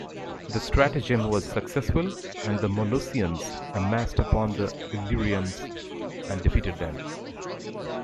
The stratagem was successful, and the Molossians amassed upon the Illyrians and defeated them.